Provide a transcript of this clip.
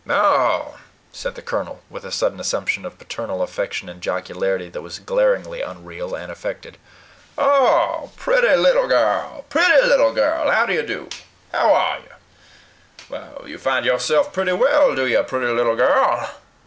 "Ah!" said the colonel, with a sudden assumption of parental affection and jocularity that was glaringly unreal and affected. "Ah! pretty little girl, pretty little girl! How do you do? How are you? You find yourself pretty well, do you, pretty little girl?"